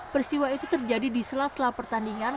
peristiwa itu terjadi di sela sela pertandingan